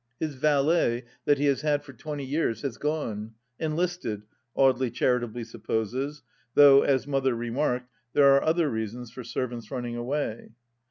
His valet, that he has had for twenty years, has gone — enlisted, Audely charitably supposes, though, as Mother remarked, there are other reasons for servants running away